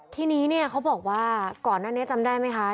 ทีนี้เนี่ยเขาบอกว่าก่อนหน้านี้จำได้ไหมคะ